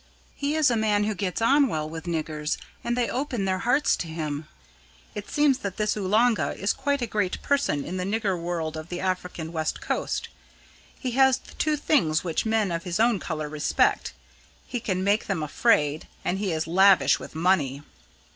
He is a man who gets on well with niggers, and they open their hearts to him. It seems that this Oolanga is quite a great person in the nigger world of the African West Coast. He has the two things which men of his own colour respect: he can make them afraid, and he is lavish with money.